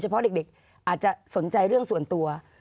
เพราะเด็กอาจจะสนใจเรื่องส่วนตัว